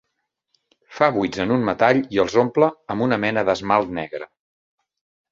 Fa buits en un metall i els omple amb una mena d'esmalt negre.